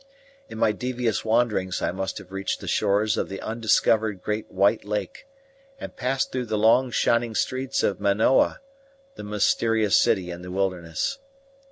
In my devious wanderings I must have reached the shores of the undiscovered great White Lake, and passed through the long shining streets of Manoa, the mysterious city in the wilderness.